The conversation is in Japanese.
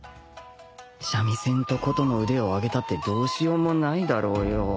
三味線と琴の腕を上げたってどうしようもないだろうよ